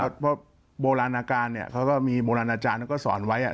ดูปของโบราณกาลเค้ามีโบราณอาจารย์ก็สอนไว้๒อ